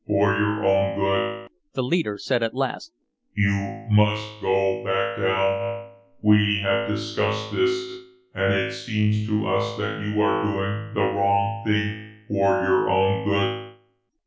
"For your own good," the leader said at last, "you must go back down. We have discussed this, and it seems to us that you are doing the wrong thing for your own good."